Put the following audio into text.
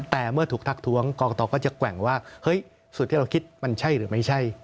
แต่เมื่อถูกทักท้วงกรกตก็จะแกว่งว่าเฮ้ยสุดที่เราคิดมันใช่หรือไม่ใช่